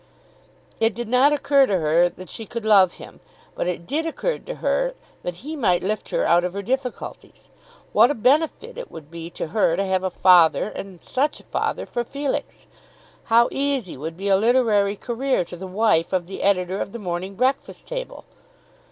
It did not occur to her that she could love him; but it did occur to her that he might lift her out of her difficulties. What a benefit it would be to her to have a father, and such a father, for Felix! How easy would be a literary career to the wife of the editor of the "Morning Breakfast Table!"